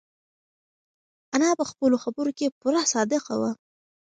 انا په خپلو خبرو کې پوره صادقه وه.